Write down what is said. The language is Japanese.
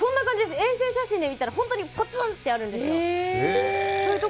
衛星写真で見たら、本当にぽつんとあるんですよ。